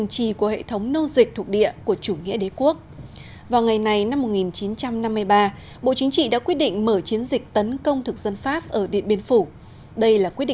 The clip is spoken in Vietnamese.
xin chào và hẹn gặp lại